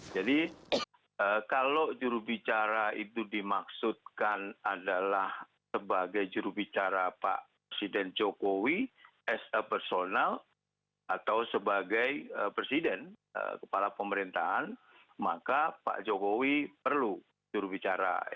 jadi kalau jurubicara itu dimaksudkan adalah sebagai jurubicara pak presiden jokowi as a personal atau sebagai presiden kepala pemerintahan maka pak jokowi perlu jurubicara